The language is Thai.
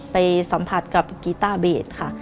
ไปสัมผัสกับกีต้าเบสค่ะ